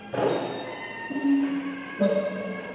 สวัสดีครับทุกคน